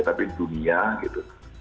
tapi dunia gitu